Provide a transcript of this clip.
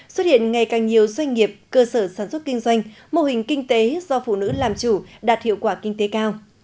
xuất hiện ngày càng nhiều doanh nghiệp cơ sở sản xuất kinh doanh mô hình kinh tế do phụ nữ làm chủ đạt hiệu quả kinh tế cao